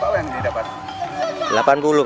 berapa uang yang didapat